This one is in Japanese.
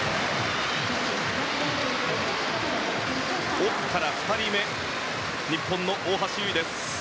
奥から２人目日本の大橋悠依。